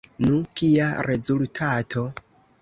Nu, kia rezultato?